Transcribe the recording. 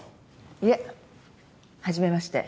いえはじめまして。